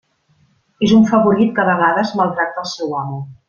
És un favorit que a vegades maltracta el seu amo.